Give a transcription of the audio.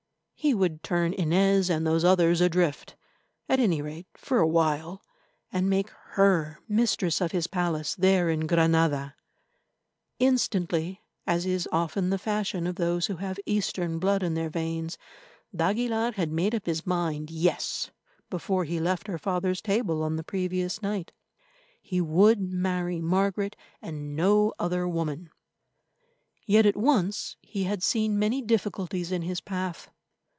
He would turn Inez and those others adrift—at any rate, for a while—and make her mistress of his palace there in Granada. Instantly, as is often the fashion of those who have Eastern blood in their veins, d'Aguilar had made up his mind, yes, before he left her father's table on the previous night. He would marry Margaret and no other woman. Yet at once he had seen many difficulties in his path.